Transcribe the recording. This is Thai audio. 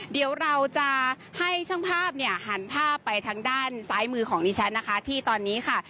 เดี๋ยวเราจะให้ช่างภาพเนี่ยหันภาพไปทางด้านซ้ายมือของดิฉันนะคะที่ตอนนี้ค่ะ